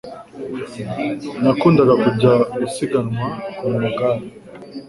Nakundaga kujya gusiganwa ku amagare